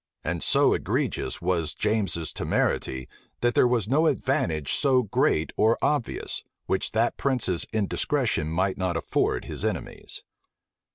And so egregious was James's temerity, that there was no advantage so great or obvious, which that prince's indiscretion might not afford his enemies.